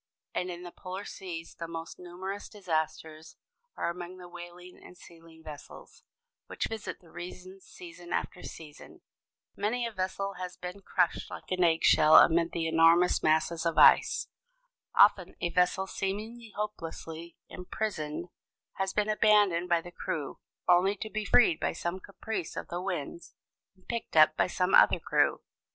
And in the polar seas the most numerous disasters are among the whaling and sealing vessels, which visit the regions season after season. Many a vessel has been crushed like an egg shell amid the enormous masses of ice. Often a vessel seemingly hopelessly imprisoned has been abandoned by the crew, only to be freed by some caprice of the winds and picked up by some other crew.